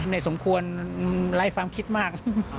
สมควรไร้ความคิดมาก